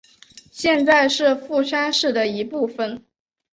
现在是富山市的一部分。